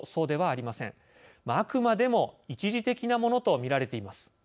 あくまでも一時的なものと見られています。